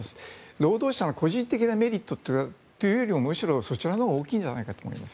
労働者の個人的なメリットというよりもむしろそちらのほうが大きいんじゃないかと思います。